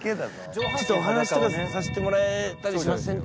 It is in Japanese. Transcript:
ちょっとお話とかさせてもらえたりしませんかね？